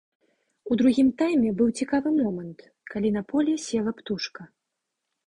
У другім тайме быў цікавы момант, калі на поле села птушка.